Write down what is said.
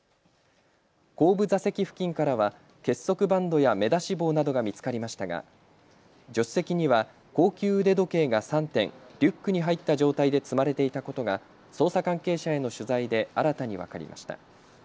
後部座席付近からは結束バンドや目出し帽などが見つかりましたが助手席には高級腕時計が３点リュックに入った状態で積まれていたことが捜査関係者への取材で新たに分かりました。